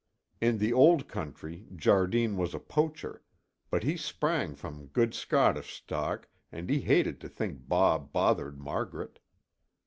In the Old Country Jardine was a poacher, but he sprang from good Scottish stock and he hated to think Bob bothered Margaret.